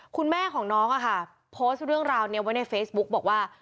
คุณแม่ของน้องอะค่ะโพสต์เรื่องราวนี้ไว้ในเฟซบุ๊กบอกว่า